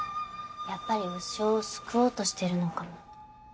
やっぱり鵜匠を救おうとしてるのかも。